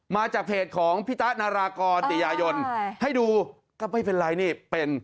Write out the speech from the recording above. มาจากเพจของพี่ตะนารากรติยายนให้ดูก็ไม่เป็นไรนี่เป็น